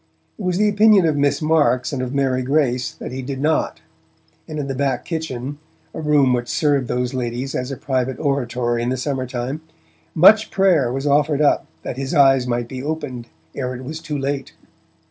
It was the opinion of Miss Marks and of Mary Grace that he did not, and in the back kitchen, a room which served those ladies as a private oratory in the summer time, much prayer was offered up that his eyes might be opened ere it was too late.